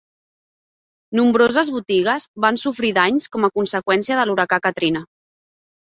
Nombroses botigues van sofrir danys com a conseqüència de l'huracà Katrina.